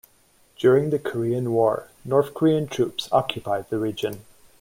During the Korean War, North Korean troops occupied the region.